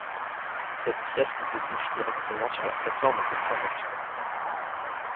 Cette pièce débouche directement sur la plate forme d'observation.